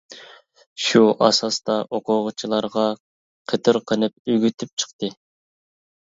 شۇ ئاساستا ئوقۇغۇچىلارغا قېتىرقىنىپ ئۆگىتىپ چىقتى.